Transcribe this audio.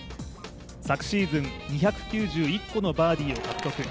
昨シーズン２９１個のバーディーを獲得。